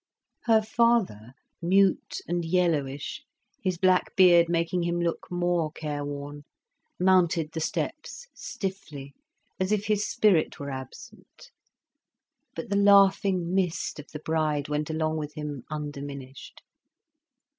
Her father, mute and yellowish, his black beard making him look more careworn, mounted the steps stiffly, as if his spirit were absent; but the laughing mist of the bride went along with him undiminished.